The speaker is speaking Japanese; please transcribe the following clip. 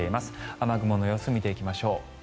雨雲の様子を見ていきましょう。